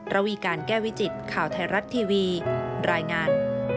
ระวีการแก้วิจิตข่าวไทยรัฐทีวีรายงาน